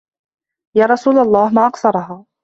يَا رَسُولَ اللَّهِ مَا أَقْصَرَهَا